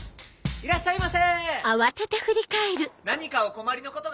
いらっしゃいませ。